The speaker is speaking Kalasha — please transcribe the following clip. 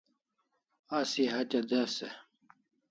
Asi hatya des e?